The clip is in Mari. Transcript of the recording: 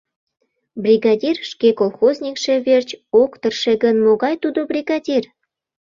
Бригадир шке колхозникше верч ок тырше гын, могай тудо бригадир?